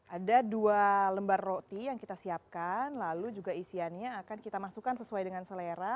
ada dua lembar roti yang kita siapkan lalu juga isiannya akan kita masukkan sesuai dengan selera